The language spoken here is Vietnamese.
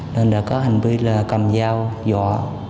nên đã có hành vi là cầm dao dọa